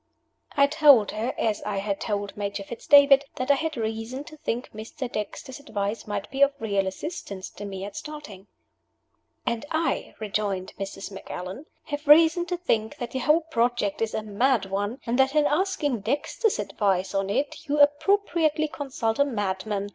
I told her, as I had told Major Fitz David, that I had reason to think Mr. Dexter's advice might be of real assistance to me at starting. "And I," rejoined Mrs. Macallan, "have reason to think that your whole project is a mad one, and that in asking Dexter's advice on it you appropriately consult a madman.